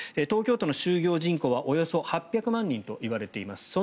東京都の就業人口はおよそ８００万人と言われています。